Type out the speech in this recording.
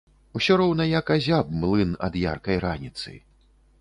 Усё роўна як азяб млын ад яркай раніцы.